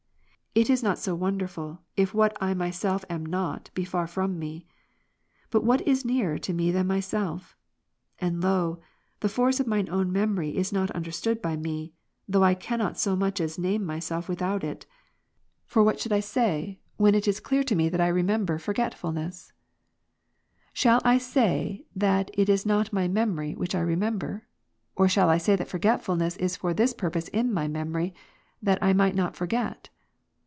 It is not so wonderful, if what I myself am not, be far from me. But what is nearer to me^than myself ? And lo, the force of mine own memory is not understood by me ; though I cannot so much as name myself without it. For what shall I say, when it is clear to me that I remember o 2 19G Boundlessness of memory^ yet reaches not to God, forgetfulness ? Shall I say that that is not in my memory, which I remember ? or shall I say that forgetfulness is for this purpose in my memory, that I might not forget